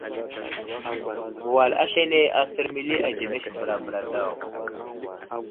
Wal aslane asər məli ademes bəra bəra daw.